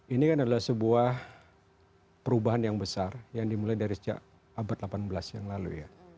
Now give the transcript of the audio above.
ini kan adalah sebuah perubahan yang besar yang dimulai dari sejak abad delapan belas yang lalu ya